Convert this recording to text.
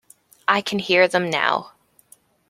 I can hear them now.